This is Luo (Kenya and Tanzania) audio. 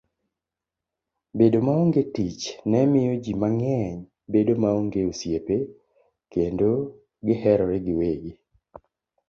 Bedo maonge tich ne miyo ji mang'eny bedo maonge osiepe kendo giherore giwegi.